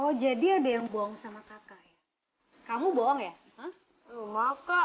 oh jadi ada yang buang sama kakak ya kamu bohong ya